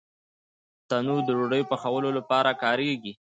تنور د ډوډۍ پخولو لپاره کارېږي